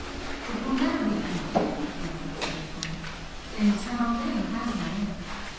"It will never be finished," answered Santoris "An eternal thing has no end."